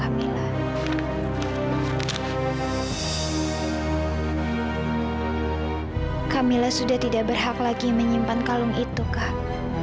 alhamdulillah sudah tidak berhak lagi menyimpan kalung itu kak